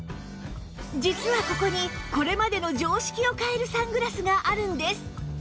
実はここにこれまでの常識を変えるサングラスがあるんです